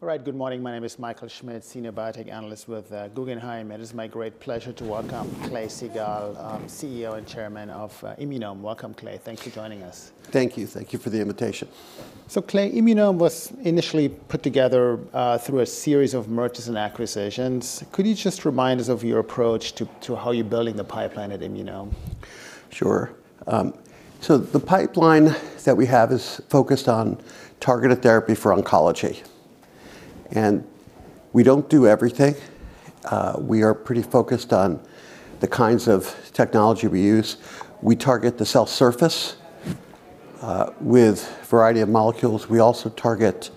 All right, good morning. My name is Michael Schmidt, Senior Biotech Analyst with Guggenheim. It is my great pleasure to welcome Clay Siegall, CEO and Chairman of Immunome. Welcome, Clay. Thank you for joining us. Thank you. Thank you for the invitation. Clay, Immunome was initially put together through a series of mergers and acquisitions. Could you just remind us of your approach to how you're building the pipeline at Immunome? Sure. So the pipeline that we have is focused on targeted therapy for oncology. And we don't do everything. We are pretty focused on the kinds of technology we use. We target the cell surface with a variety of molecules. We also target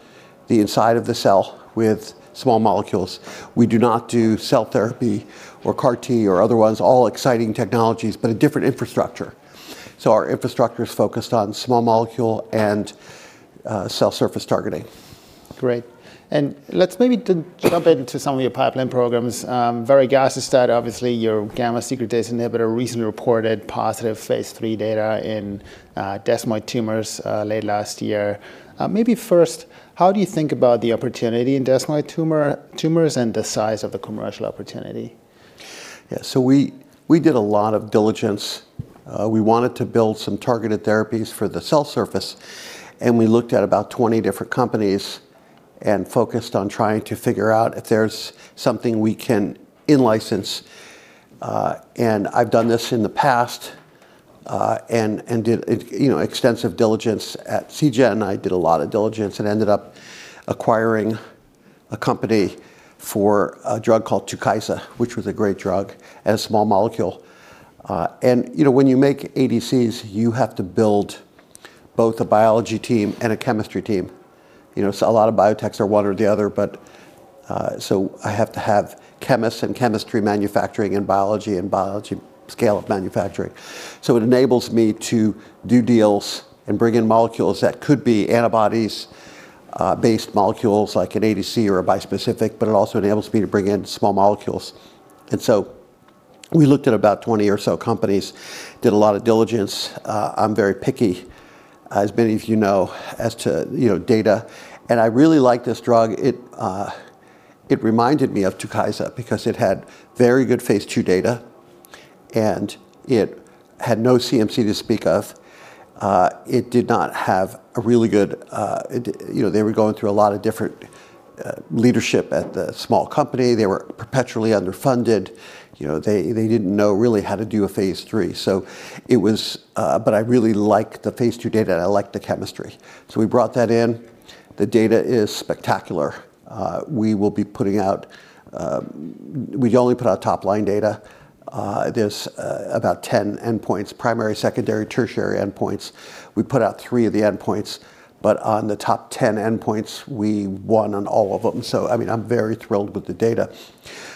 the inside of the cell with small molecules. We do not do cell therapy or CAR-T or other ones, all exciting technologies, but a different infrastructure. So our infrastructure is focused on small molecule and cell surface targeting. Great. Let's maybe jump into some of your pipeline programs. Very exciting data, obviously. Your gamma secretase inhibitor recently reported positive phase III data in desmoid tumors late last year. Maybe first, how do you think about the opportunity in desmoid tumors and the size of the commercial opportunity? Yeah, so we did a lot of diligence. We wanted to build some targeted therapies for the cell surface. We looked at about 20 different companies and focused on trying to figure out if there's something we can in-license. I've done this in the past and did extensive diligence at Seagen. I did a lot of diligence and ended up acquiring a company for a drug called Tukysa, which was a great drug as a small molecule. When you make ADCs, you have to build both a biology team and a chemistry team. A lot of biotechs are one or the other. I have to have chemists and chemistry manufacturing and biology and biology scale of manufacturing. So it enables me to do deals and bring in molecules that could be antibody-based molecules like an ADC or a bispecific, but it also enables me to bring in small molecules. So we looked at about 20 or so companies, did a lot of diligence. I'm very picky, as many of you know, as to data. I really liked this drug. It reminded me of Tukysa because it had very good phase II data and it had no CMC to speak of. It did not have a really good. They were going through a lot of different leadership at the small company. They were perpetually underfunded. They didn't know really how to do a phase III. I really liked the phase II data. I liked the chemistry. So we brought that in. The data is spectacular. We will be putting out. We only put out top-line data. There's about 10 endpoints, primary, secondary, tertiary endpoints. We put out three of the endpoints. But on the top 10 endpoints, we won on all of them. So I mean, I'm very thrilled with the data.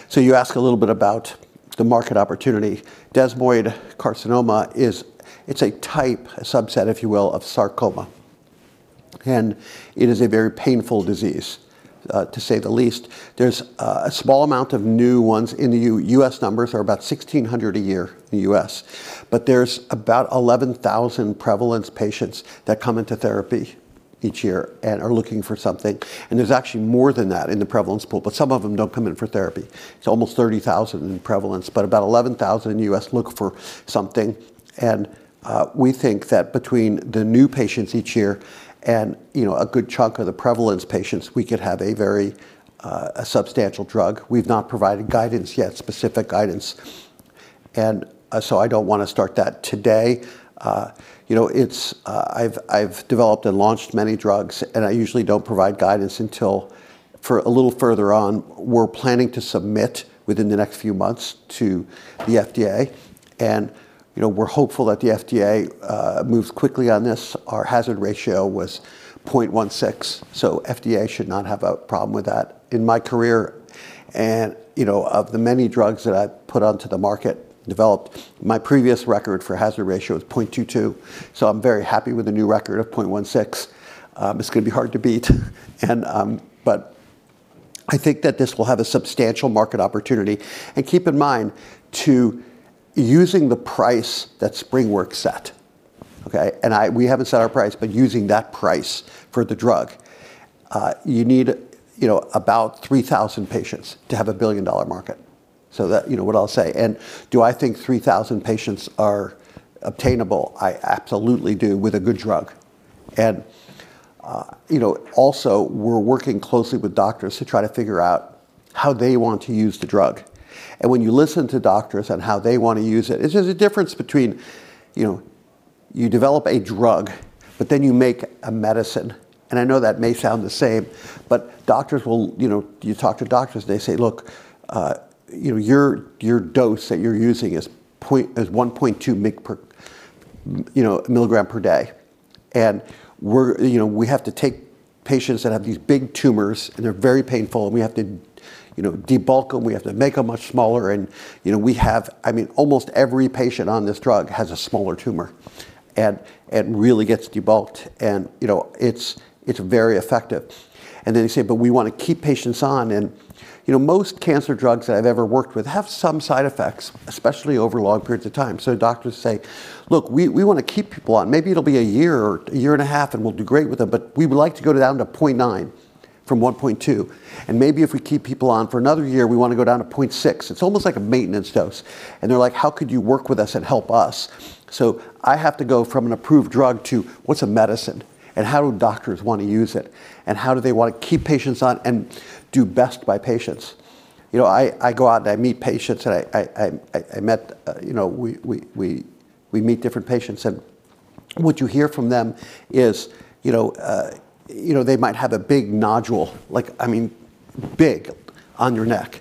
So you ask a little bit about the market opportunity. Desmoid carcinoma is. It's a type, a subset, if you will, of sarcoma. And it is a very painful disease, to say the least. There's a small amount of new ones in the U.S. U.S. numbers are about 1,600 a year in the U.S. But there's about 11,000 prevalence patients that come into therapy each year and are looking for something. And there's actually more than that in the prevalence pool. But some of them don't come in for therapy. It's almost 30,000 in prevalence. About 11,000 in the US look for something. We think that between the new patients each year and a good chunk of the prevalence patients, we could have a very substantial drug. We've not provided guidance yet, specific guidance. So I don't want to start that today. I've developed and launched many drugs. I usually don't provide guidance until for a little further on. We're planning to submit within the next few months to the FDA. We're hopeful that the FDA moves quickly on this. Our hazard ratio was 0.16. FDA should not have a problem with that in my career. Of the many drugs that I've put onto the market, developed, my previous record for hazard ratio was 0.22. I'm very happy with the new record of 0.16. It's going to be hard to beat. But I think that this will have a substantial market opportunity. And keep in mind, too, using the price that SpringWorks set, OK? And we haven't set our price. But using that price for the drug, you need about 3,000 patients to have a billion-dollar market. So what I'll say, and do I think 3,000 patients are obtainable? I absolutely do with a good drug. And also, we're working closely with doctors to try to figure out how they want to use the drug. And when you listen to doctors and how they want to use it, it's just a difference between you develop a drug, but then you make a medicine. And I know that may sound the same. But doctors will you talk to doctors. They say, look, your dose that you're using is 1.2 mg per day. We have to take patients that have these big tumors. They're very painful. We have to debulk them. We have to make them much smaller. We have—I mean, almost every patient on this drug has a smaller tumor and really gets debulked. It's very effective. Then they say, but we want to keep patients on. Most cancer drugs that I've ever worked with have some side effects, especially over long periods of time. Doctors say, look, we want to keep people on. Maybe it'll be a year or a year and a half. We'll do great with them. But we would like to go down to 0.9 from 1.2. Maybe if we keep people on for another year, we want to go down to 0.6. It's almost like a maintenance dose. They're like, how could you work with us and help us? So I have to go from an approved drug to what's a medicine and how do doctors want to use it and how do they want to keep patients on and do best by patients. I go out and I meet patients. I meet different patients. What you hear from them is they might have a big nodule, I mean, big on your neck.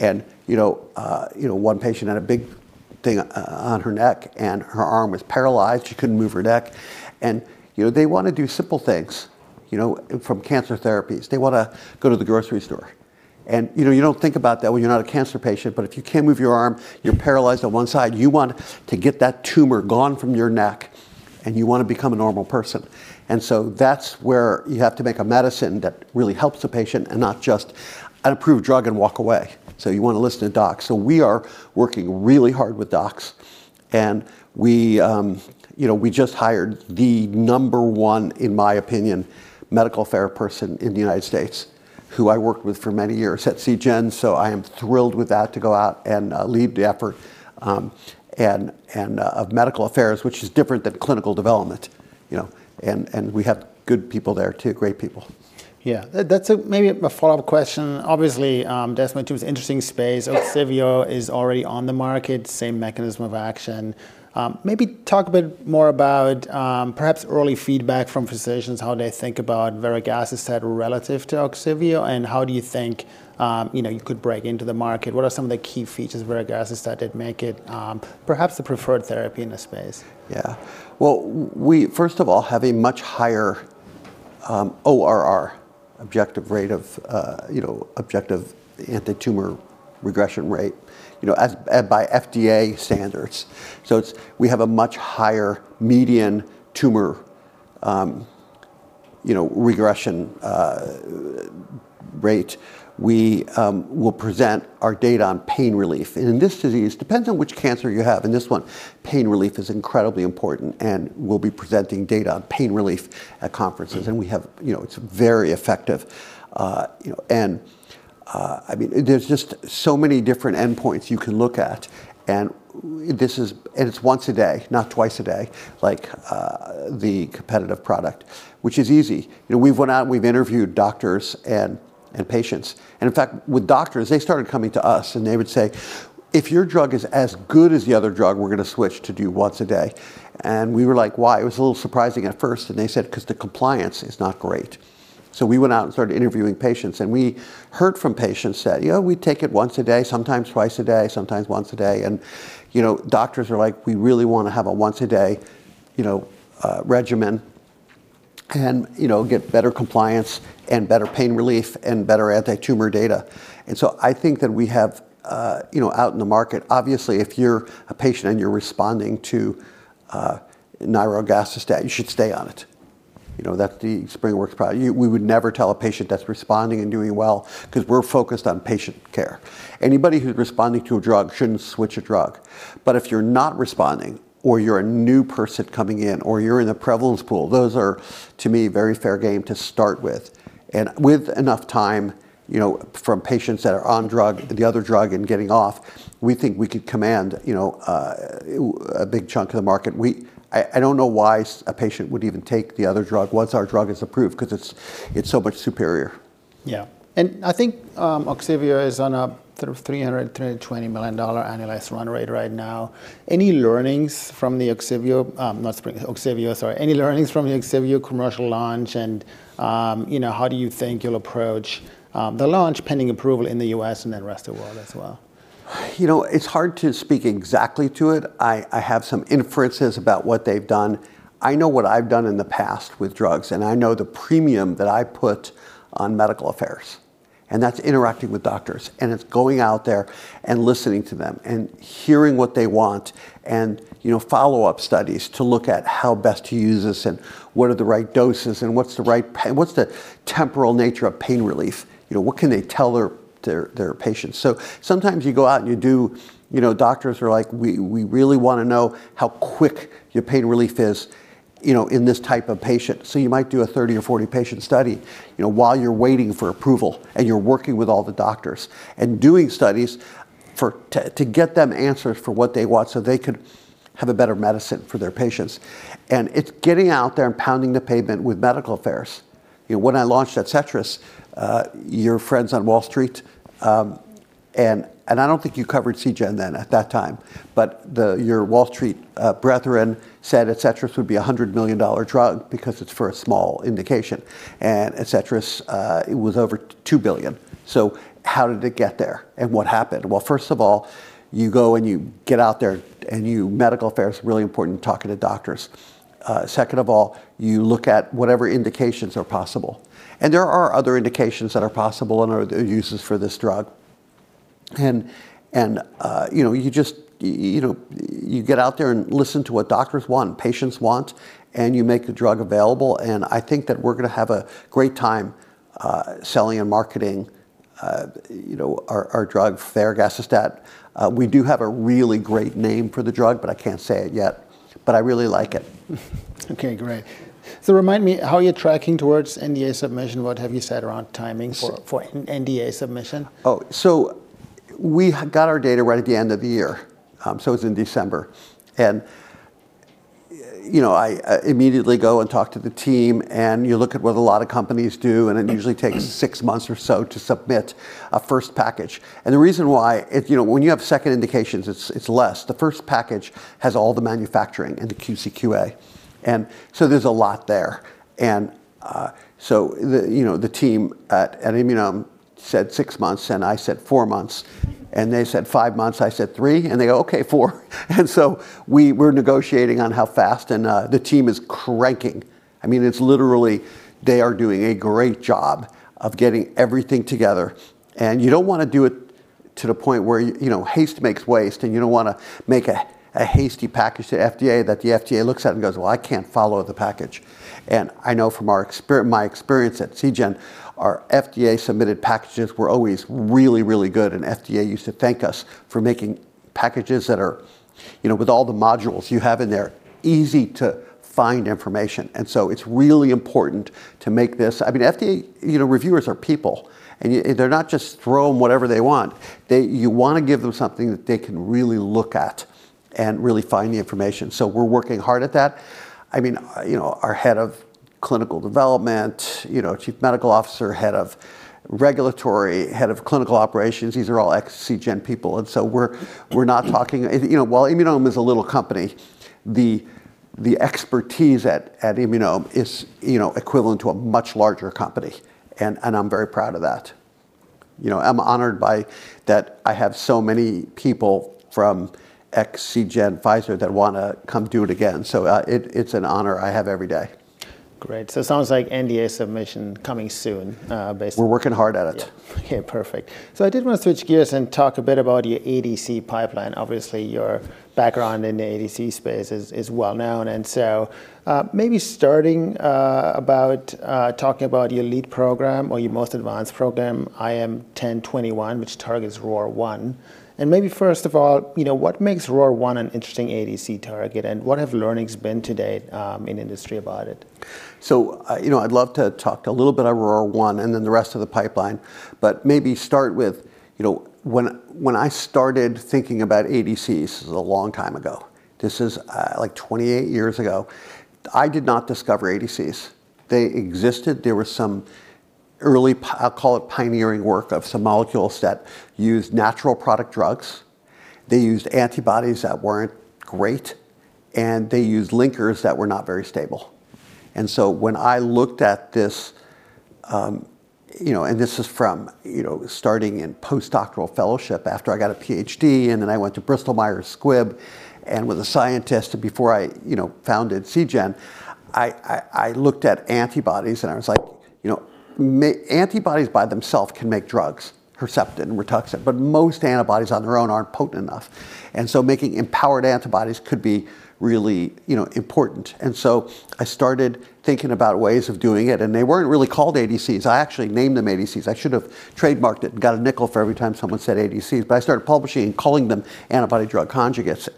One patient had a big thing on her neck. Her arm was paralyzed. She couldn't move her neck. They want to do simple things from cancer therapies. They want to go to the grocery store. You don't think about that when you're not a cancer patient. But if you can't move your arm, you're paralyzed on one side. You want to get that tumor gone from your neck. You want to become a normal person. So that's where you have to make a medicine that really helps the patient and not just an approved drug and walk away. You want to listen to docs. We are working really hard with docs. We just hired the number one, in my opinion, medical affairs person in the United States who I worked with for many years at Seagen. I am thrilled with that to go out and lead the effort of medical affairs, which is different than clinical development. We have good people there, too, great people. Yeah, that's maybe a follow-up question. Obviously, desmoid tumor is an interesting space. Ogsiveo is already on the market, same mechanism of action. Maybe talk a bit more about perhaps early feedback from physicians, how they think about varegacestat relative to Ogsiveo. And how do you think you could break into the market? What are some of the key features of varegacestat that make it perhaps the preferred therapy in the space? Yeah, well, we, first of all, have a much higher ORR, objective rate of objective anti-tumor regression rate by FDA standards. So we have a much higher median tumor regression rate. We will present our data on pain relief. In this disease, it depends on which cancer you have. In this one, pain relief is incredibly important. We'll be presenting data on pain relief at conferences. It's very effective. I mean, there's just so many different endpoints you can look at. It's once a day, not twice a day, like the competitive product, which is easy. We've went out and we've interviewed doctors and patients. In fact, with doctors, they started coming to us. They would say, if your drug is as good as the other drug, we're going to switch to do once a day. We were like, why? It was a little surprising at first. They said, because the compliance is not great. We went out and started interviewing patients. We heard from patients that, yeah, we take it once a day, sometimes twice a day, sometimes once a day. Doctors are like, we really want to have a once-a-day regimen and get better compliance and better pain relief and better anti-tumor data. I think that we have out in the market, obviously, if you're a patient and you're responding to nirogacestat, you should stay on it. That's the SpringWorks product. We would never tell a patient that's responding and doing well because we're focused on patient care. Anybody who's responding to a drug shouldn't switch a drug. But if you're not responding or you're a new person coming in or you're in the prevalence pool, those are, to me, very fair game to start with. With enough time from patients that are on drug, the other drug, and getting off, we think we could command a big chunk of the market. I don't know why a patient would even take the other drug once our drug is approved because it's so much superior. Yeah, and I think Ogsiveo is on a sort of $320 million annualized run rate right now. Any learnings from the Ogsiveo commercial launch? And how do you think you'll approach the launch pending approval in the U.S. and then the rest of the world as well? It's hard to speak exactly to it. I have some inferences about what they've done. I know what I've done in the past with drugs. I know the premium that I put on medical affairs. That's interacting with doctors. It's going out there and listening to them and hearing what they want and follow-up studies to look at how best to use this and what are the right doses and what's the temporal nature of pain relief. What can they tell their patients? Sometimes you go out and you do. Doctors are like, "We really want to know how quick your pain relief is in this type of patient." You might do a 30 or 40 patient study while you're waiting for approval. You're working with all the doctors and doing studies to get them answers for what they want so they could have a better medicine for their patients. It's getting out there and pounding the pavement with medical affairs. When I launched Adcetris, your friends on Wall Street and I don't think you covered Seagen then at that time. But your Wall Street brethren said Adcetris would be a $100 million drug because it's for a small indication. And Adcetris, it was over $2 billion. So how did it get there? What happened? Well, first of all, you go and you get out there. Medical affairs are really important in talking to doctors. Second of all, you look at whatever indications are possible. There are other indications that are possible and other uses for this drug. You get out there and listen to what doctors want, patients want. You make the drug available. I think that we're going to have a great time selling and marketing our drug, varegacestat. We do have a really great name for the drug. I can't say it yet. I really like it. OK, great. So remind me, how are you tracking towards NDA submission? What have you said around timing for NDA submission? Oh, so we got our data right at the end of the year. So it was in December. And I immediately go and talk to the team. And you look at what a lot of companies do. And it usually takes 6 months or so to submit a first package. And the reason why when you have second indications, it's less. The first package has all the manufacturing and the QCQA. And so there's a lot there. And so the team at Immunome said 6 months. And I said 4 months. And they said 5 months. I said 3. And they go, OK, 4. And so we're negotiating on how fast. And the team is cranking. I mean, it's literally they are doing a great job of getting everything together. And you don't want to do it to the point where haste makes waste. You don't want to make a hasty package to the FDA that the FDA looks at and goes, "Well, I can't follow the package." I know from my experience at Seagen, our FDA-submitted packages were always really, really good. FDA used to thank us for making packages that are, with all the modules you have in there, easy to find information. So it's really important to make this. I mean, FDA reviewers are people. They're not just throwing whatever they want. You want to give them something that they can really look at and really find the information. So we're working hard at that. I mean, our head of clinical development, Chief Medical Officer, head of regulatory, head of clinical operations, these are all ex-Seagen people. And so we're not talking while Immunome is a little company, the expertise at Immunome is equivalent to a much larger company. And I'm very proud of that. I'm honored by that I have so many people from ex-Seagen, Pfizer, that want to come do it again. So it's an honor I have every day. Great. It sounds like NDA submission coming soon, basically. We're working hard at it. OK, perfect. So I did want to switch gears and talk a bit about your ADC pipeline. Obviously, your background in the ADC space is well known. And so maybe starting about talking about your lead program or your most advanced program, IM-1021, which targets ROR1. And maybe, first of all, what makes ROR1 an interesting ADC target? And what have learnings been to date in the industry about it? So I'd love to talk a little bit about ROR1 and then the rest of the pipeline. But maybe start with when I started thinking about ADCs. This is a long time ago. This is like 28 years ago. I did not discover ADCs. They existed. There was some early, I'll call it, pioneering work of some molecules that used natural product drugs. They used antibodies that weren't great. And they used linkers that were not very stable. And so when I looked at this and this is from starting in postdoctoral fellowship after I got a PhD. And then I went to Bristol Myers Squibb and was a scientist. And before I founded Seagen, I looked at antibodies. And I was like, antibodies by themselves can make drugs, Herceptin and Rituxan. But most antibodies on their own aren't potent enough. And so making empowered antibodies could be really important. I started thinking about ways of doing it. They weren't really called ADCs. I actually named them ADCs. I should have trademarked it and got a nickel for every time someone said ADCs. I started publishing and calling them antibody-drug conjugates.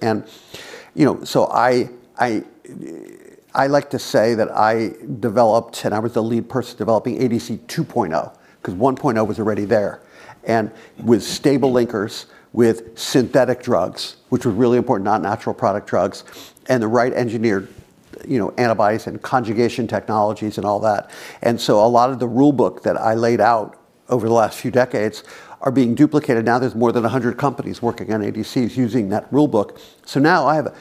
I like to say that I developed and I was the lead person developing ADC 2.0 because 1.0 was already there and with stable linkers, with synthetic drugs, which was really important, not natural product drugs, and the right engineered antibodies and conjugation technologies and all that. A lot of the rulebook that I laid out over the last few decades are being duplicated. Now there's more than 100 companies working on ADCs using that rulebook. Now I have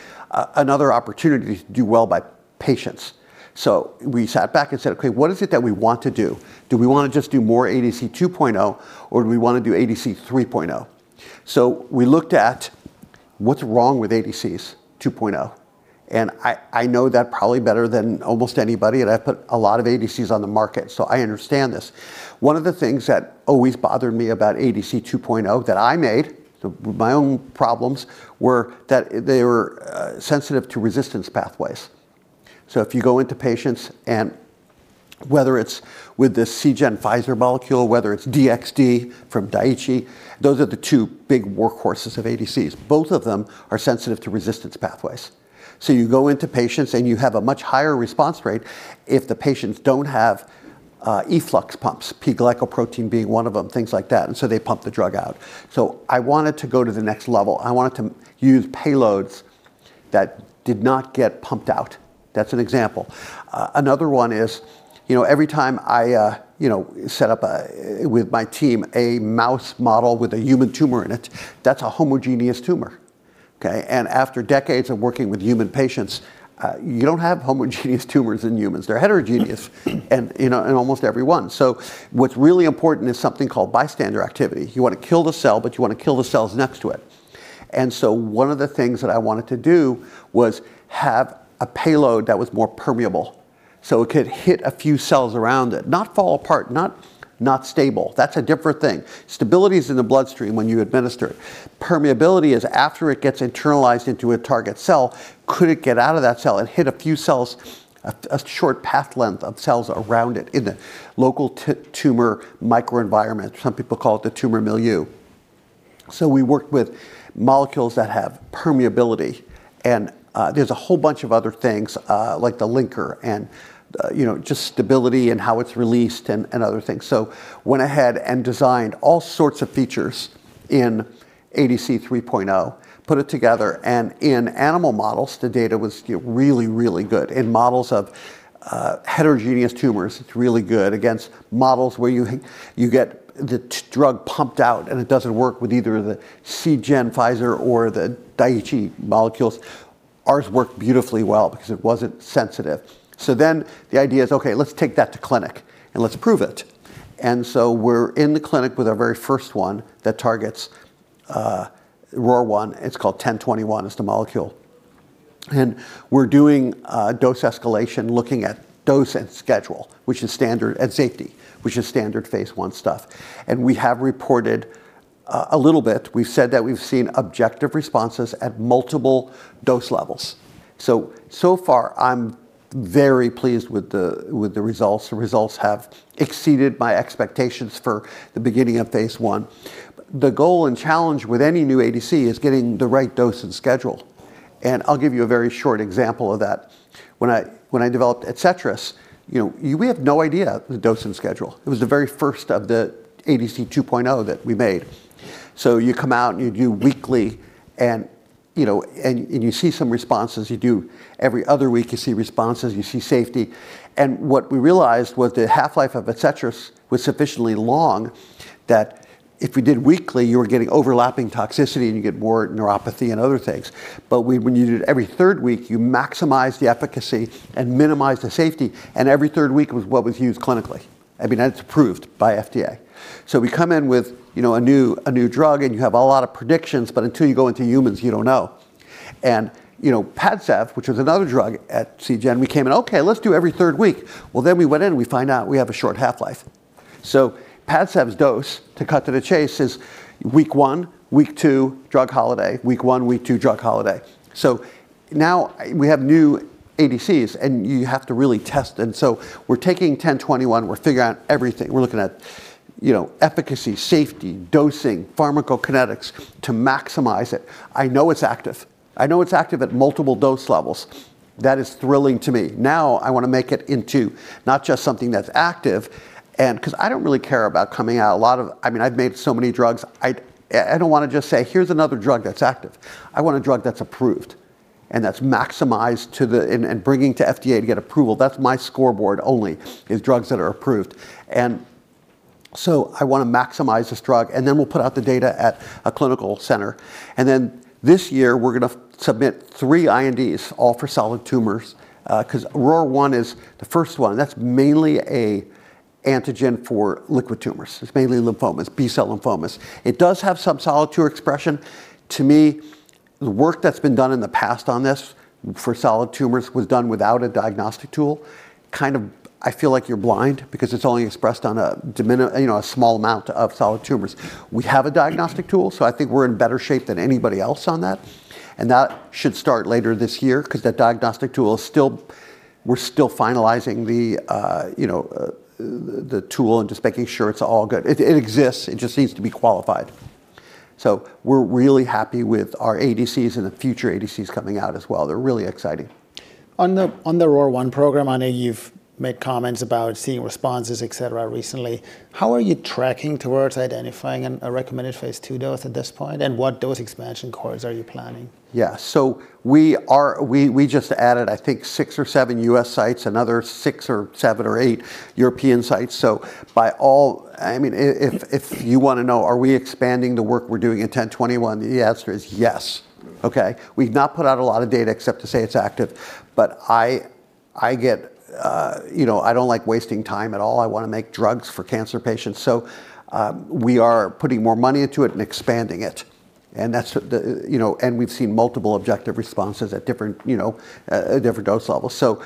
another opportunity to do well by patients. So we sat back and said, OK, what is it that we want to do? Do we want to just do more ADC 2.0? Or do we want to do ADC 3.0? So we looked at what's wrong with ADCs 2.0. And I know that probably better than almost anybody. And I've put a lot of ADCs on the market. So I understand this. One of the things that always bothered me about ADC 2.0 that I made, my own problems, were that they were sensitive to resistance pathways. So if you go into patients and whether it's with this Seagen-Pfizer molecule, whether it's DXd from Daiichi, those are the two big workhorses of ADCs. Both of them are sensitive to resistance pathways. So you go into patients. You have a much higher response rate if the patients don't have efflux pumps, P-glycoprotein being one of them, things like that. And so they pump the drug out. So I wanted to go to the next level. I wanted to use payloads that did not get pumped out. That's an example. Another one is every time I set up with my team a mouse model with a human tumor in it, that's a homogeneous tumor. And after decades of working with human patients, you don't have homogeneous tumors in humans. They're heterogeneous in almost everyone. So what's really important is something called bystander activity. You want to kill the cell. But you want to kill the cells next to it. One of the things that I wanted to do was have a payload that was more permeable so it could hit a few cells around it, not fall apart, not stable. That's a different thing. Stability is in the bloodstream when you administer it. Permeability is after it gets internalized into a target cell. Could it get out of that cell and hit a few cells, a short path length of cells around it in the local tumor microenvironment? Some people call it the tumor milieu. We worked with molecules that have permeability. There's a whole bunch of other things like the linker and just stability and how it's released and other things. We went ahead and designed all sorts of features in ADC 3.0, put it together. In animal models, the data was really, really good. In models of heterogeneous tumors, it's really good against models where you get the drug pumped out. It doesn't work with either the Seagen, Pfizer, or the Daiichi molecules. Ours worked beautifully well because it wasn't sensitive. So then the idea is, OK, let's take that to clinic. Let's prove it. So we're in the clinic with our very first one that targets ROR1. It's called IM-1021. It's the molecule. We're doing dose escalation, looking at dose and schedule, which is standard and safety, which is standard phase one stuff. We have reported a little bit. We've said that we've seen objective responses at multiple dose levels. So far, I'm very pleased with the results. The results have exceeded my expectations for the beginning of phase one. The goal and challenge with any new ADC is getting the right dose and schedule. And I'll give you a very short example of that. When I developed Adcetris, we had no idea the dose and schedule. It was the very first of the ADC 2.0 that we made. So you come out. And you do weekly. And you see some responses. You do every other week. You see responses. You see safety. And what we realized was the half-life of Adcetris was sufficiently long that if we did weekly, you were getting overlapping toxicity. And you get more neuropathy and other things. But when you did every third week, you maximized the efficacy and minimized the safety. And every third week was what was used clinically. I mean, that's approved by FDA. So we come in with a new drug. And you have a lot of predictions. But until you go into humans, you don't know. Padcev, which was another drug at Seagen, we came in, OK, let's do every third week. Well, then we went in. We find out we have a short half-life. So Padcev's dose, to cut to the chase, is week one, week two, drug holiday, week one, week two, drug holiday. So now we have new ADCs. And you have to really test. And so we're taking 1021. We're figuring out everything. We're looking at efficacy, safety, dosing, pharmacokinetics to maximize it. I know it's active. I know it's active at multiple dose levels. That is thrilling to me. Now I want to make it into not just something that's active because I don't really care about coming out. I mean, I've made so many drugs. I don't want to just say, here's another drug that's active. I want a drug that's approved and that's maximized to the end and bringing to FDA to get approval. That's my scoreboard only is drugs that are approved. And so I want to maximize this drug. And then we'll put out the data at a clinical center. And then this year, we're going to submit 3 INDs, all for solid tumors because ROR1 is the first one. That's mainly an antigen for liquid tumors. It's mainly lymphomas, B-cell lymphomas. It does have some solid tumor expression. To me, the work that's been done in the past on this for solid tumors was done without a diagnostic tool. Kind of I feel like you're blind because it's only expressed on a small amount of solid tumors. We have a diagnostic tool. So I think we're in better shape than anybody else on that. That should start later this year because that diagnostic tool, we're still finalizing the tool and just making sure it's all good. It exists. It just needs to be qualified. So we're really happy with our ADCs and the future ADCs coming out as well. They're really exciting. On the ROR1 program, I know you've made comments about seeing responses, et cetera, recently. How are you tracking towards identifying a recommended phase 2 dose at this point? And what dose expansion course are you planning? Yeah. So we just added, I think, 6 or 7 U.S. sites and other 6 or 7 or 8 European sites. So by all I mean, if you want to know, are we expanding the work we're doing in 1021, the answer is yes. We've not put out a lot of data except to say it's active. But I don't like wasting time at all. I want to make drugs for cancer patients. So we are putting more money into it and expanding it. We've seen multiple objective responses at different dose levels. So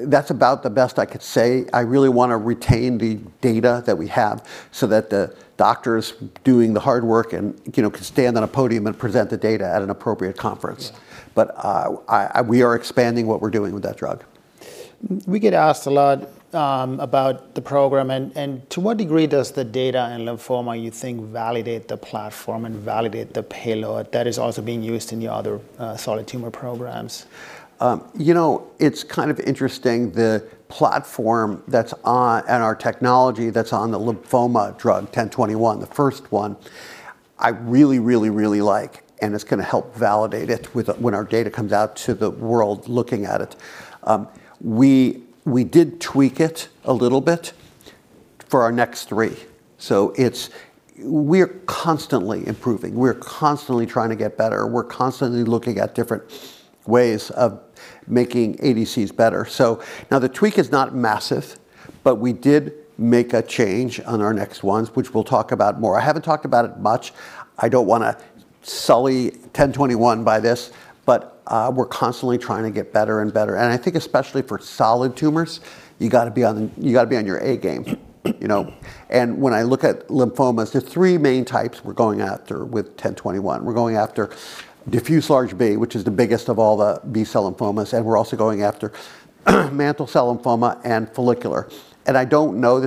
that's about the best I could say. I really want to retain the data that we have so that the doctors doing the hard work can stand on a podium and present the data at an appropriate conference. But we are expanding what we're doing with that drug. We get asked a lot about the program. To what degree does the data and lymphoma, you think, validate the platform and validate the payload that is also being used in your other solid tumor programs? You know, it's kind of interesting. The platform that's on and our technology that's on the lymphoma drug, IM-1021, the first one, I really, really, really like. And it's going to help validate it when our data comes out to the world looking at it. We did tweak it a little bit for our next three. So we are constantly improving. We're constantly trying to get better. We're constantly looking at different ways of making ADCs better. So now the tweak is not massive. But we did make a change on our next ones, which we'll talk about more. I haven't talked about it much. I don't want to sully IM-1021 by this. But we're constantly trying to get better and better. And I think, especially for solid tumors, you've got to be on your A game. When I look at lymphomas, there are three main types we're going after with 1021. We're going after diffuse large B-cell, which is the biggest of all the B-cell lymphomas. We're also going after mantle cell lymphoma and follicular. I don't know.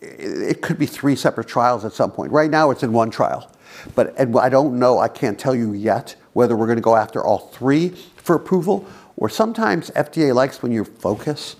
It could be three separate trials at some point. Right now, it's in one trial. I don't know. I can't tell you yet whether we're going to go after all three for approval. Sometimes FDA likes when you focus.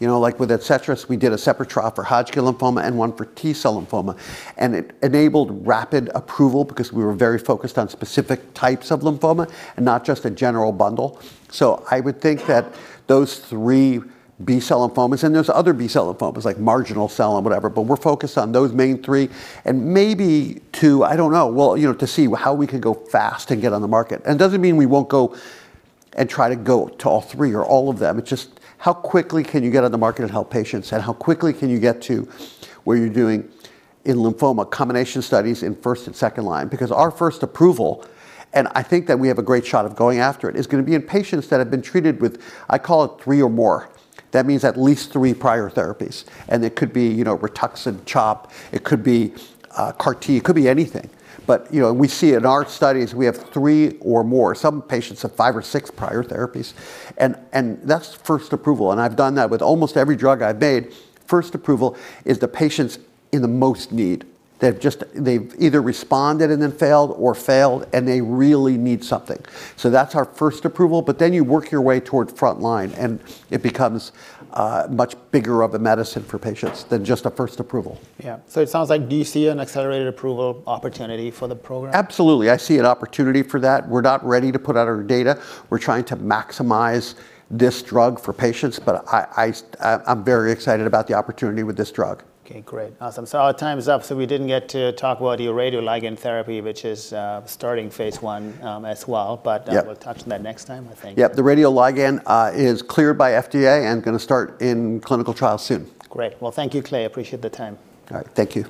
Like with Adcetris, we did a separate trial for Hodgkin lymphoma and one for T-cell lymphoma. And it enabled rapid approval because we were very focused on specific types of lymphoma and not just a general bundle. So I would think that those three B-cell lymphomas and there's other B-cell lymphomas like marginal zone and whatever. But we're focused on those main three and maybe two. I don't know. Well, to see how we can go fast and get on the market. It doesn't mean we won't go and try to go to all three or all of them. It's just how quickly can you get on the market and help patients? And how quickly can you get to where you're doing in lymphoma combination studies in first and second line? Because our first approval, and I think that we have a great shot of going after it, is going to be in patients that have been treated with, I call it, three or more. That means at least three prior therapies. And it could be Rituxan, CHOP. It could be CAR-T. It could be anything. But we see in our studies, we have three or more. Some patients have five or six prior therapies. That's first approval. I've done that with almost every drug I've made. First approval is the patients in the most need. They've either responded and then failed or failed. They really need something. So that's our first approval. But then you work your way toward front line. It becomes much bigger of a medicine for patients than just a first approval. Yeah. So it sounds like do you see an accelerated approval opportunity for the program? Absolutely. I see an opportunity for that. We're not ready to put out our data. We're trying to maximize this drug for patients. But I'm very excited about the opportunity with this drug. OK, great. Awesome. So our time is up. So we didn't get to talk about your radioligand therapy, which is starting phase one as well. But we'll touch on that next time, I think. Yeah. The radioligand is cleared by FDA and going to start in clinical trial soon. Great. Well, thank you, Clay. Appreciate the time. All right. Thank you.